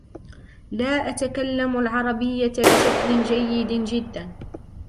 لا أتكلم العربية بشكل جيد جدا.